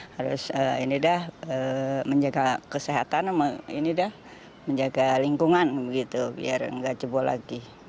harus ini dah menjaga kesehatan ini dah menjaga lingkungan gitu biar nggak jebol lagi